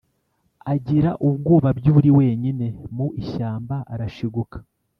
agira ubwoba by'uri wenyine mu ishyamba arashiguka